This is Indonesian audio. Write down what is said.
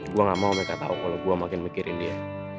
gue gak mau mereka tahu kalau gue makin mikirin dia